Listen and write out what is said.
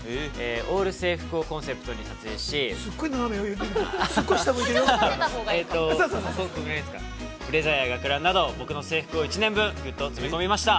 「オール制服」をコンセプトに撮影しブレザーや学ランなど、僕の制服姿を１年分ぎゅっと詰め込みました。